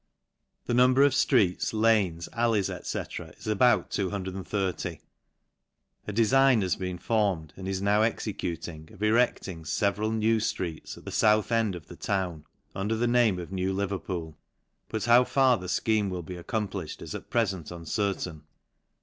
The number of ftreets, anes, allies, &c. is about 230. A dcfign has been brmed, and is now executing, of erecting feveral lew ftteets at the fouth end or" the town, under the lame of New Liverpool j but how far the icheme vill be accomplished is at prefent uncertain.